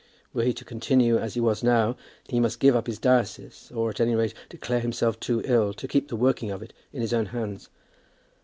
Were he to continue as he was now, he must give up his diocese, or, at any rate, declare himself too ill to keep the working of it in his own hands.